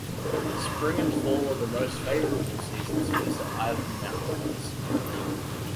Spring and fall are the most favorable seasons to visit Ivins Mountain.